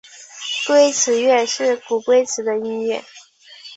龟兹乐是古龟兹的音乐。